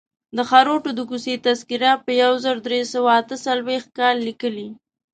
د خروټو د کوڅې تذکره په یو زر درې سوه اته څلویښت کال لیکلې.